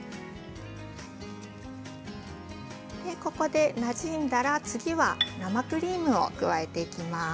ここでなじんだら次は生クリームを加えていきます。